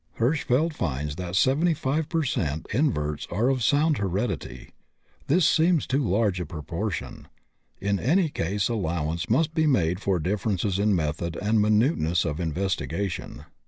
Hirschfeld finds that 75 per cent. inverts are of sound heredity; this seems too large a proportion; in any case allowance must be made for differences in method and minuteness of investigation.